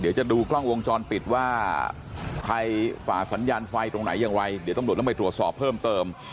เดี๋ยวจะดูกล้องวงจรปิดว่าใครฝ่าสัญญาณไฟตรงไหนอย่างไรเดี๋ยวตำรวจต้องไปตรวจสอบเพิ่มเติม